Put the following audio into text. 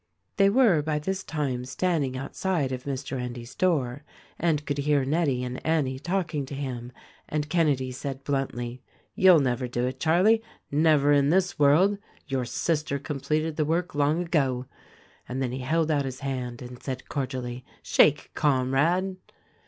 They were by this time standing outside of Mr. Endy's door and could hear Nettie and Annie talking to him, and Kenedy said bluntly : "You'll never do it, Charlie — never in this world ! Your sister completed the work long ago," and then he held out his hand and said cordially, "Shake, Com rade."